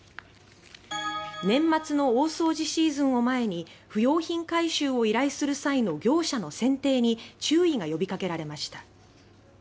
年末の大掃除シーズンを前に不用品回収を依頼する際の業者の選定に注意が呼びかけられました。